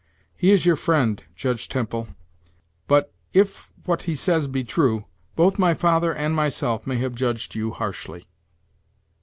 He is your friend, Judge Temple, but, if what he says be true, both my father and myself may have judged you harshly."